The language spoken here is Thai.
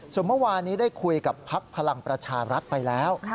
ส่วนเมื่อวานี้ได้คุยกับพักพลังประชารัฐไปแล้ว